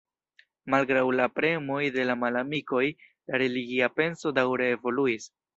Malgraŭ la premoj de la malamikoj, la religia penso daŭre evoluis.